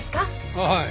あっはい。